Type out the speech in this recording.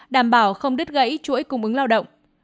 đảm bảo không đứt gãy chuỗi cung ứng lao động